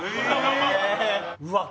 うわっ！